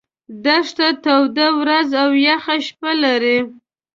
دښته توده ورځ او یخه شپه لري.